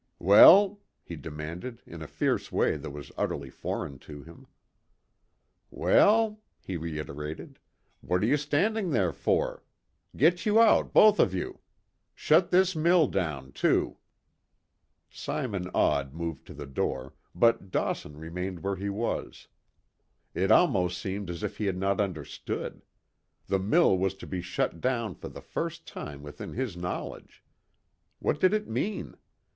"Well?" he demanded, in a fierce way that was utterly foreign to him. "Well?" he reiterated, "what are you standing there for? Get you out, both of you. Shut this mill down, too!" Simon Odd moved to the door, but Dawson remained where he was. It almost seemed as if he had not understood. The mill was to be shut down for the first time within his knowledge. What did it mean?